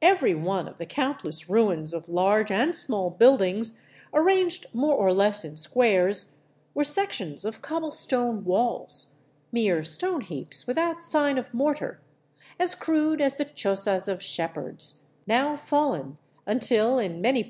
Every one of the countless (ruins of large and small buildings, arranged more or less in squares, ||were sections of cobble stone walls, mere stone heaps without sign of 1 mortar, as crude as the chozas of shepherds, now fallen until, in many